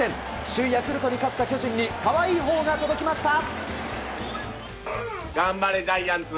首位ヤクルトに勝った巨人に可愛いほーが届きました。